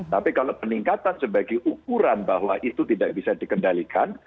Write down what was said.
tapi kalau peningkatan sebagai ukuran bahwa itu tidak bisa dikendalikan